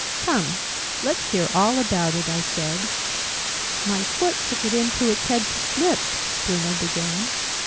"Come, let's hear all about it!" I said. "My foot took it into its head to slip " Bruno began.